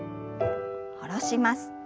下ろします。